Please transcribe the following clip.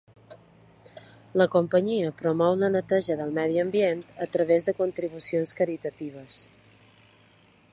La companyia promou la neteja del medi ambient a través de contribucions caritatives.